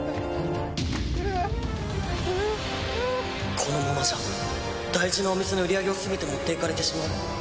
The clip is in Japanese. このままじゃ、大事なお店の売り上げをすべて持っていかれてしまう。